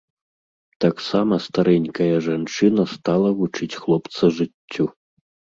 Таксама старэнькая жанчына стала вучыць хлопца жыццю.